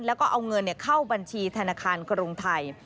แล้วก็เอาเงินเข้าบัญชีธนาคารกรุงไทย